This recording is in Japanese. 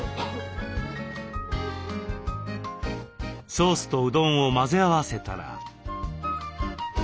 ソースとうどんを混ぜ合わせたら。